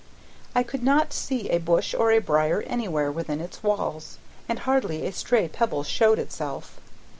I could not see a bush or a brier anywhere within its walls, and hardly a stray pebble showed itself.